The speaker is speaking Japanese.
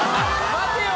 待てよ！